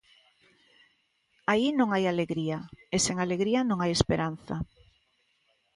Aí non hai alegría e sen alegría non hai esperanza.